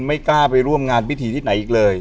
ไม่กล้าไปร่วมงานพิธีที่ไหนอีกเลย